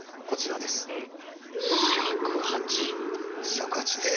尺八です。